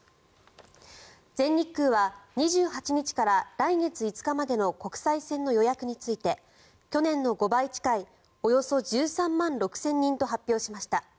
全日空は２８日から来月５日までの国際線の予約について去年の５倍近いおよそ１３万６０００人と発表しました。